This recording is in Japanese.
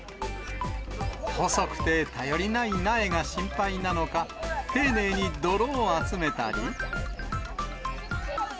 細くて頼りない苗が心配なのか、丁寧に泥を集めたり。